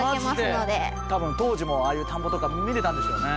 多分当時もああいう田んぼとか見てたんでしょうね。